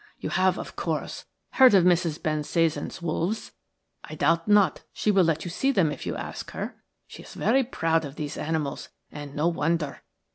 You have, of course, heard of Mrs. Bensasan's wolves? I doubt not she will let you see them if you ask her. She is very proud of these animals, and no wonder.